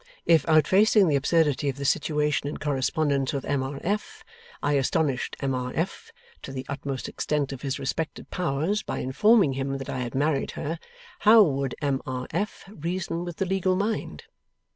If, outfacing the absurdity of the situation in correspondence with M. R. F., I astonished M. R. F. to the utmost extent of his respected powers, by informing him that I had married her, how would M. R. F. reason with the legal mind?